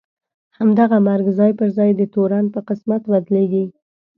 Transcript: همدغه مرګ ځای پر ځای د تورن په قسمت بدلېږي.